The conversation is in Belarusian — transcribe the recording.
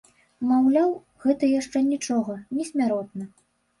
Маўляў, гэта яшчэ нічога, не смяротна.